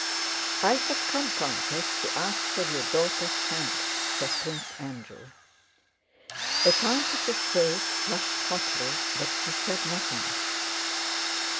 "I have come, Countess, to ask for your daughter's hand," said Prince Andrew. The countess' face flushed hotly, but she said nothing.